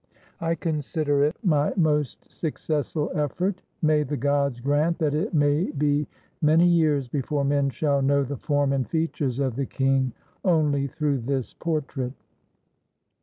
I consider it my most successful effort. May the gods grant that it may be many years before men shall know the form and features of the king only through this portrait.